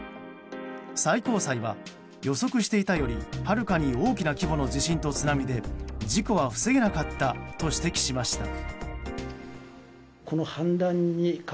最高裁は、予測していたよりはるかに大きな規模の地震と津波で事故は防げなかったと指摘しました。